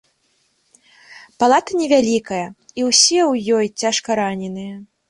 Палата невялікая, і ўсе ў ёй цяжкараненыя.